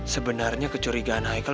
sebenarnya kecurigaan haikal